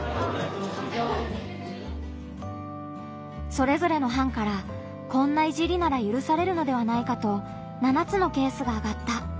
それぞれの班から「こんないじりならゆるされるのではないかと７つのケースがあがった。